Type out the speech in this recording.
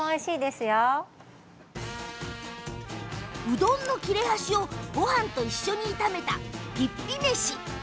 うどんの切れ端をごはんと一緒に炒めた、ぴっぴ飯。